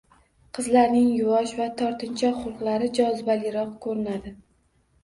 Qizlarning yuvosh va tortinchoq xulqlari jozibaliroq ko‘rinadi